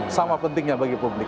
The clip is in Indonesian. sama pentingnya bagi publik